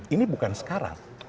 ini bukan sekarang